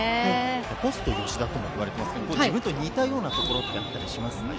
ポスト吉田ともいわれてますが、本当に似たようなところがあったりしますか？